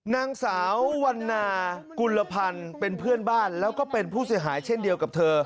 นางสาววันนากุลพันธ์เป็นเพื่อนบ้านแล้วก็เป็นผู้เสียหายเช่นเดียวกับเธอ